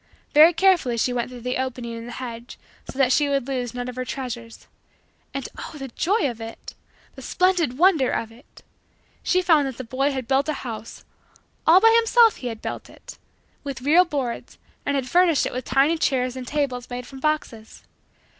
Very carefully she went through the opening in the hedge so that she would lose none of her treasures. And oh, the joy of it! The splendid wonder of it! She found that the boy had built a house all by himself he had built it with real boards, and had furnished it with tiny chairs and tables made from boxes.